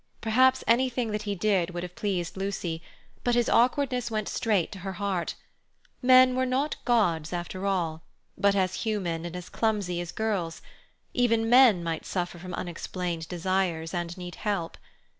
Perhaps anything that he did would have pleased Lucy, but his awkwardness went straight to her heart; men were not gods after all, but as human and as clumsy as girls; even men might suffer from unexplained desires, and need help.